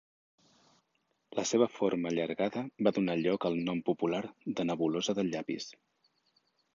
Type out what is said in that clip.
La seva forma allargada va donar lloc al nom popular de nebulosa del llapis.